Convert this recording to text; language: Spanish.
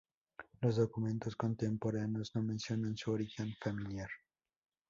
Los documentos contemporáneos no mencionan su origen familiar.